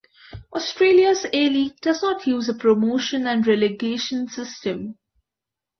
Australia's A-League does not use a promotion and relegation system.